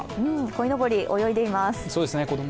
こいのぼり泳いでいます。